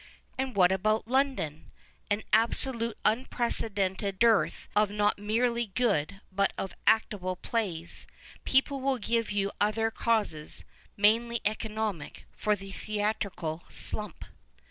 And what about London ? An absolutely imprece dented dearth of not merely good but of actable plays. People will give you other causes, mainly economic, for the theatrical " slump."